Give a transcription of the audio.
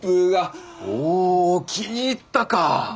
おぉ気に入ったか！